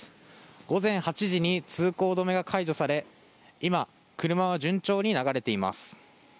午前８時に通行止めが解除され今、車は順調に流れています。